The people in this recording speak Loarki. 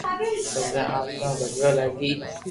پسي آٽتما بجوا لاگي